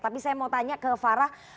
tapi saya mau tanya ke farah